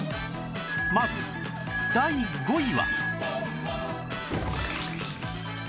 まず第５位は